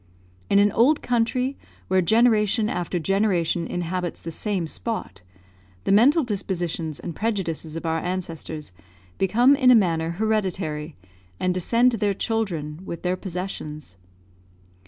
In an old country, where generation after generation inhabits the same spot, the mental dispositions and prejudices of our ancestors become in a manner hereditary, and descend to their children with their possessions.